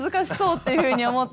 っていうふうに思って。